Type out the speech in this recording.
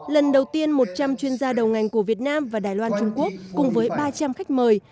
lần đầu tiên một trăm linh chuyên gia đầu ngành của việt nam và đài loan trung quốc cùng với ba trăm linh khách mời